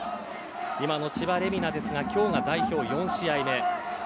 今の千葉玲海菜ですが今日が代表４試合目。